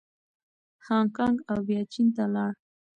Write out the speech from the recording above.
هانګکانګ او بیا چین ته لاړ.